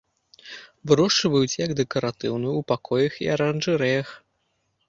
Вырошчваюць як дэкаратыўную ў пакоях і аранжарэях.